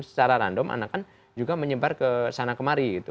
secara random anakan juga menyebar ke sana kemari